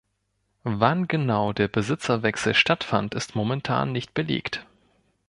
Wann genau der Besitzerwechsel stattfand, ist momentan nicht belegt.